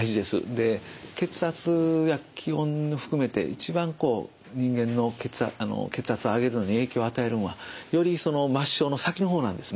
で血圧が気温を含めて一番人間の血圧を上げるのに影響を与えるものはより末梢の先の方なんですね。